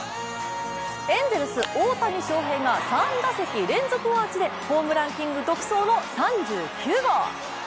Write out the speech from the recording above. エンゼルス・大谷翔平が３打席連続アーチでホームランキング独走の３９号。